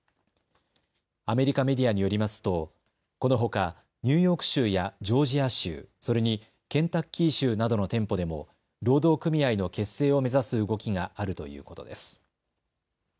アメリカメディアによりますとこのほかニューヨーク州やジョージア州、それにケンタッキー州などの店舗でも労働組合の結成を目指す動きがあるということです。